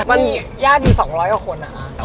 มันยาดอยู่๒๐๐กว่าคนอะ